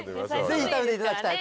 ぜひ食べていただきたい。